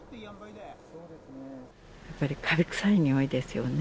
やっぱりかび臭いにおいですよね。